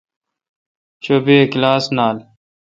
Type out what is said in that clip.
چو بے کلاس نال۔